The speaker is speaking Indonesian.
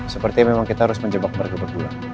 sepertinya memang kita harus menjebak mereka berdua